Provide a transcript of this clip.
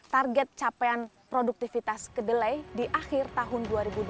target capaian produktivitas kedelai di akhir tahun dua ribu dua puluh